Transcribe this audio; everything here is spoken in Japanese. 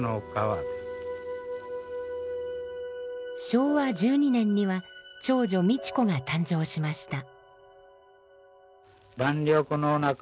昭和１２年には長女三千子が誕生しました。